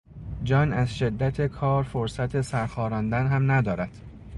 جان از شدت کار فرصت سرخاراندن هم ندارد.